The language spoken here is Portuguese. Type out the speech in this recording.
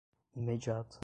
imediato